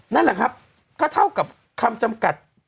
นั่นแหละครับก็เท่ากับคำจำกัด